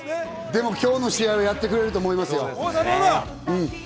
でも今日の試合はやってくれると思いますよ。